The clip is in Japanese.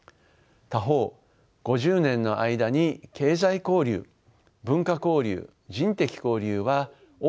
他方５０年の間に経済交流文化交流人的交流は大いに発展しました。